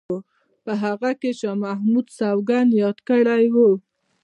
په هغه کې شاه محمد سوګند یاد کړی وو.